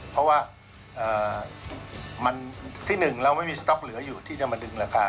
เพราะว่าที่๑เราไม่มีสต๊อกเหลืออยู่ที่จะมาดึงราคา